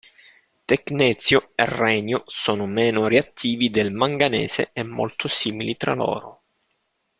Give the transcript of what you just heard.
Tecnezio e renio sono meno reattivi del manganese e molto simili tra loro.